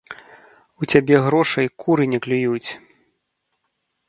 У цябе грошай куры не клююць!